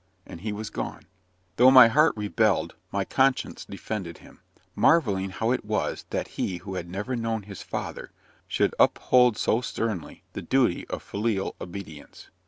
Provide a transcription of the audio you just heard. And he was gone. Though my heart rebelled, my conscience defended him; marvelling how it was that he who had never known his father should uphold so sternly the duty of filial obedience.